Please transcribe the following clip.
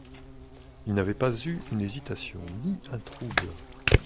Il n'avait pas eu une hésitation ni un trouble.